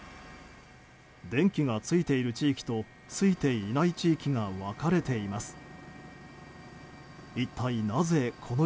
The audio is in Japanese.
電気がついている地域とついていない地域が分かれています。